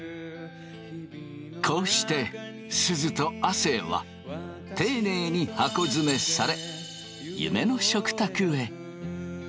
こうしてすずと亜生は丁寧に箱詰めされ夢の食卓へ。